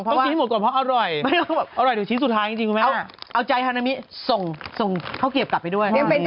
ต้องกินให้หมดก่อนเพราะอร่อยอร่อยถึงชิ้นสุดท้ายจริงครับคุณแม่เอาใจฮานามีส่งเข้าเก็บกลับไปด้วย